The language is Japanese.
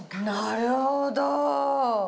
なるほど。